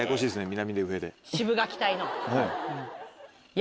南で上で。